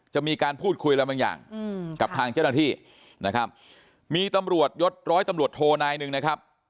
จะมีการพูดคุยอะไรบางอย่างกับทางเจ้าหน้าที่นะครับมีตำรวจยศร้อยตำรวจโทนายหนึ่งนะครับ